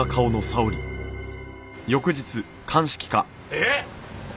えっ？